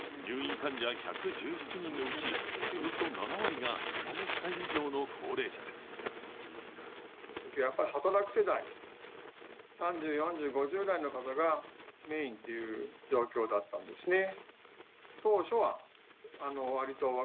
入院患者１１７人のうちおよそ７割が７０歳以上の高齢者です。